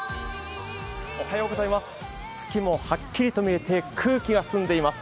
月もはっきりと見えて空気が澄んでいます。